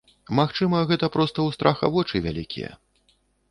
Магчыма, гэта проста ў страха вочы вялікія.